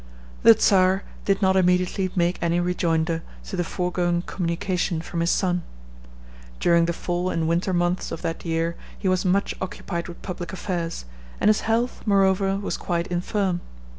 The Czar did not immediately make any rejoinder to the foregoing communication from his son. During the fall and winter months of that year he was much occupied with public affairs, and his health, moreover, was quite infirm.